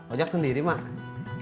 ajak sendiri mak